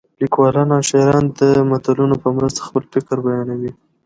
لیکوالان او شاعران د متلونو په مرسته خپل فکر بیانوي